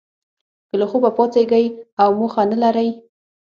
که له خوبه پاڅیږی او موخه نه لرئ